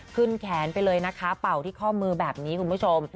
แขนไปเลยนะคะเป่าที่ข้อมือแบบนี้คุณผู้ชม